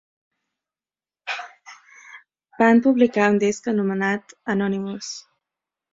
Van publicar un disc anomenat "Anonymous".